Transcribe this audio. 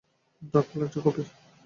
Darkhold একটা copy!